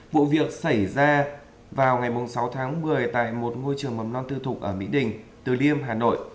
vụ việc xảy ra vào ngày sáu tháng một mươi tại một ngôi trường mầm non tư thục ở mỹ đình từ liêm hà nội